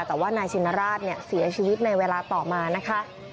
แต่ว่านายชินราชเสียชีวิตในเวลาต่อมานะคะ